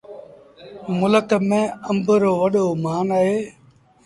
ملڪ ميݩ آݩب رو وڏو مآݩ اهي۔